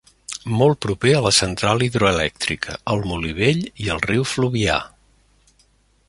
Molt proper a la central hidroelèctrica, al molí vell i al riu Fluvià.